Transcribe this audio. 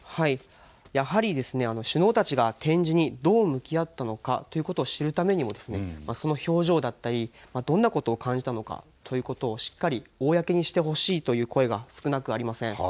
やはり首脳たちが展示にどう向き合ったのかということを知るためにもその表情だったりどんなことを感じたのかということをしっかり公にしてほしいという声が少なくありません。